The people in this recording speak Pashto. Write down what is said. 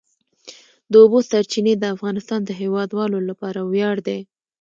د اوبو سرچینې د افغانستان د هیوادوالو لپاره ویاړ دی.